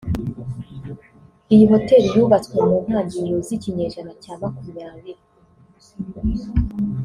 Iyi hotel yubatswe mu ntangiriro z’ikinyejana cya makumyabiri